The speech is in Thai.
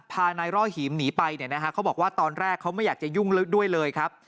พานายร่อหิมหนีไปเนี่ยนะฮะเขาบอกว่าตอนแรกเขาไม่อยากจะยุ่งลึกด้วยเลยครับ